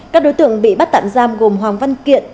các đối tượng bị bắt tạm giam gồm hoàng văn kiện